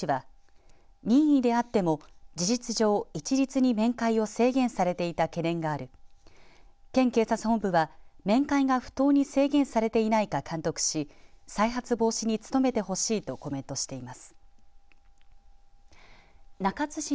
また対応に当たった弁護士は任意であっても事実上一律に面会を制限されていた懸念がある県警察本部は面会が不当に制限されていないか監督し再発防止に努めてほしいとコメントしています。